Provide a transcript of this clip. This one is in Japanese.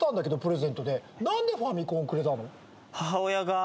ホントにファミコンくれたの。